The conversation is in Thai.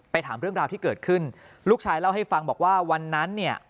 ถามเรื่องราวที่เกิดขึ้นลูกชายเล่าให้ฟังบอกว่าวันนั้นเนี่ย